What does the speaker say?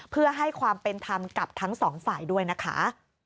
เพื่อให้ความเป็นธรรมกับทั้งสองฝ่ายด้วยนะคะ